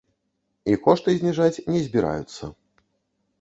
І кошты зніжаць не збіраюцца.